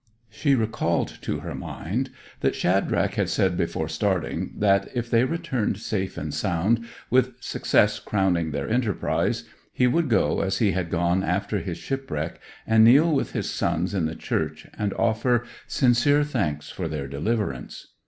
She recalled to her mind that Shadrach had said before starting that if they returned safe and sound, with success crowning their enterprise, he would go as he had gone after his shipwreck, and kneel with his sons in the church, and offer sincere thanks for their deliverance.